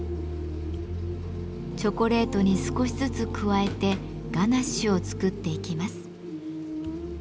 チョコレートに少しずつ加えてガナッシュを作っていきます。